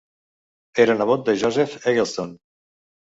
Era nebot de Joseph Eggleston.